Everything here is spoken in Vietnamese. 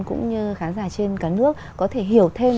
cũng như khán giả trên cả nước có thể hiểu thêm